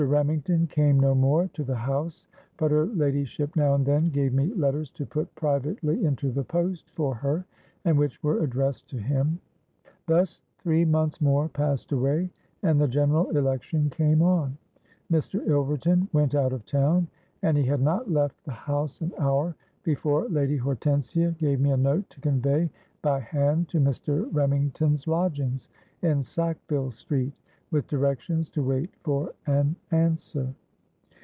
Remington came no more to the house; but her ladyship now and then gave me letters to put privately into the post for her, and which were addressed to him. Thus three months more passed away; and the general election came on. Mr. Ilverton went out of town; and he had not left the house an hour, before Lady Hortensia gave me a note to convey by hand to Mr. Remington's lodgings in Sackville Street, with directions to wait for an answer.